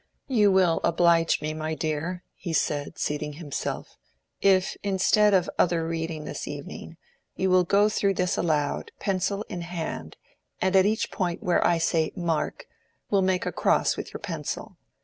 "You will oblige me, my dear," he said, seating himself, "if instead of other reading this evening, you will go through this aloud, pencil in hand, and at each point where I say 'mark,' will make a cross with your pencil.